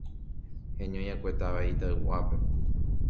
heñoi'akue táva Itauguápe